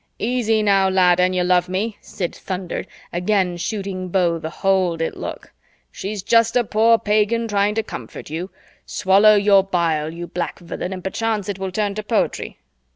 "Easy now, lad, and you love me!" Sid thundered, again shooting Beau the "Hold it" look. "She's just a poor pagan trying to comfort you. Swallow your bile, you black villain, and perchance it will turn to poetry.